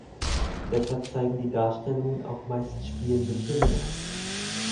Deshalb zeigen die Darstellungen auch meist spielende Kinder.